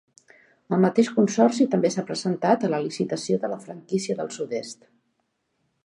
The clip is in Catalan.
El mateix consorci també s'ha presentat a la licitació de la franquícia del sud-est.